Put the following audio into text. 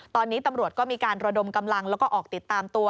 ตอนนี้ตำรวจก็มีการระดมกำลังแล้วก็ออกติดตามตัว